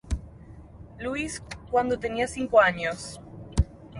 Louis cuando tenía cinco años.